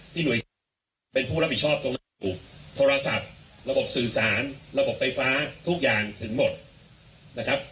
หน่วยเป็นผู้รับผิดชอบตรงนั้นถูกโทรศัพท์ระบบสื่อสารระบบไฟฟ้าทุกอย่างถึงหมดนะครับ